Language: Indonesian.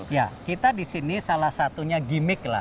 ya kita disini salah satunya gimmick lah